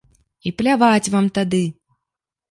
І пляваць вам тады!